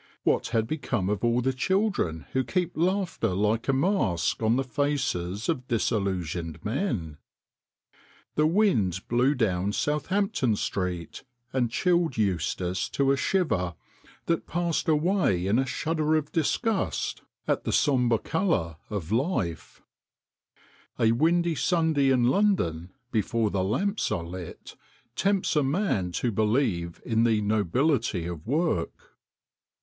What had become of all the children who keep laughter like a mask on the faces of disillusioned men ? The wind blew down Southampton Street, and chilled Eustace to a shiver that passed away in a shudder of disgust at the sombre colour of 167 168 THE COFFIN MERCHANT life. A windy Sunday in London before the lamps are lit, tempts a man to believe in the nobility of work.